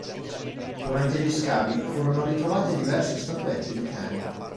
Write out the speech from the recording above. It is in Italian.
Durante gli scavi furono ritrovate diverse statuette di cani.